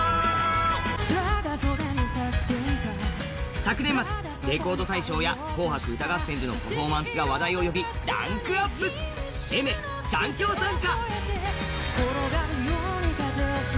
昨年末「レコード大賞」や「紅白歌合戦」でのパフォーマンスが話題を呼びランクアップ、Ａｉｍｅｒ、「残響散歌」。